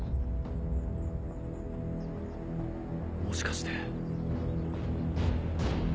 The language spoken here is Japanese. もしかして。